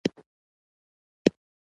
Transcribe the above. زه په همدې چورت کښې وم.